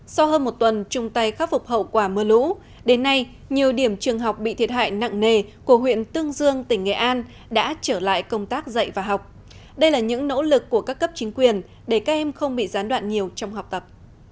sau hơn một tuần chung tay khắc phục hậu quả mưa lũ đến nay nhiều điểm trường học bị thiệt hại nặng nề của huyện tương dương tỉnh nghệ an đã trở lại công tác dạy và học đây là những nỗ lực của các cấp chính quyền để các em không bị gián đoạn nhiều trong học tập